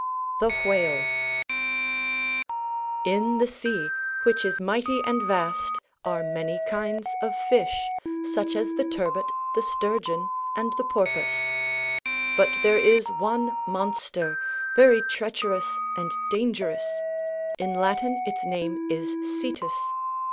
] THE WHALE In the sea, which is mighty and vast, are many kinds of fish, such as the turbot, the sturgeon, and the porpoise. But there is one monster, very treacherous and dangerous. In Latin its name is Cetus.